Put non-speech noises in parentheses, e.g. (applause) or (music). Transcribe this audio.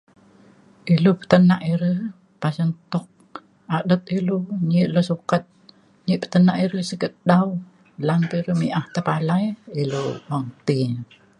ilu petenak ire pasen tuk adet ilu nyi ilu sukat nyi petenak ire siget dau lan pa ire mi'ah tepalai ilu (noise) mong ti